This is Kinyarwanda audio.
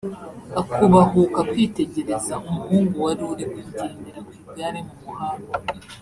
akubahuka kwitegereza umuhungu wari uri kugendera kw’igare mu muhanda